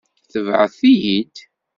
Tebɛet-iyi-d.